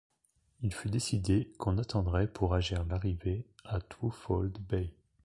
Il fut décidé qu’on attendrait pour agir l’arrivée à Twofold-Bay.